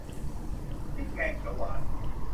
พริกแกงเขียวหวาน